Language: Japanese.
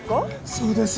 そうです。